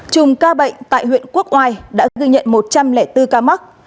chùm ca bệnh tại huyện quốc oai đã ghi nhận một trăm linh bốn ca mắc